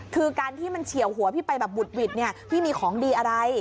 คือการที่มันเฉียวหัวพี่ไปแบบบุดหวิดเนี่ยพี่มีของดีอะไร